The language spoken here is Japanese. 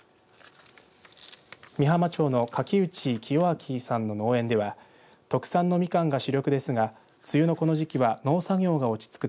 御浜町の垣内清明さんの農園では特産のミカンが主力ですが梅雨のこの時期は農作業が落ち着く